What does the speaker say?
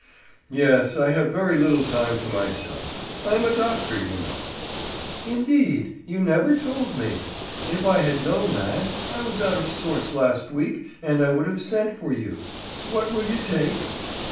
"Yes. I have very little time to myself. I am a doctor, you know." "Indeed! You never told me. If I had known that—I was out of sorts last week and I would have sent for you. What will you take?"